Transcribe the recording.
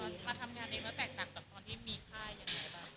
มาทำงานเองก็แตกต่างกับตอนที่มีค่ายังไงบ้าง